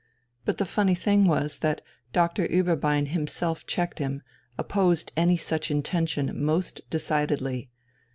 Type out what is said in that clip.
But the funny thing was that Doctor Ueberbein himself checked him, opposed any such intention most decidedly.